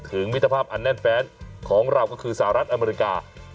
มิตรภาพอันแน่นแฟนของเราก็คือสหรัฐอเมริกา